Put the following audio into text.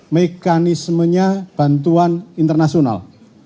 mekanismenya bantuan internasional